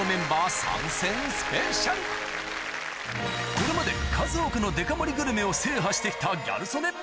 これまで数多くのデカ盛りグルメを制覇してきたギャル曽根